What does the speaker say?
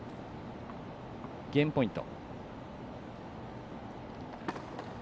ゲームポイント。